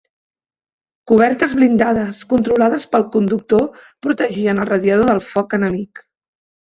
Cobertes blindades controlades pel conductor protegien el radiador del foc enemic.